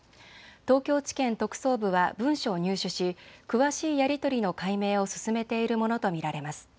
東京地検特捜部は文書を入手し詳しいやり取りの解明を進めているものと見られます。